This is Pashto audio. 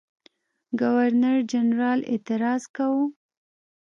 ګورنرجنرال اعتراض کاوه.